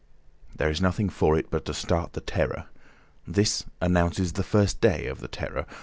There is nothing for it, but to start the Terror. This announces the first day of the Terror.